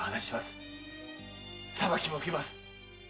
お裁きも受けます。